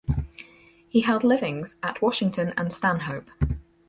He held livings at Washington and Stanhope.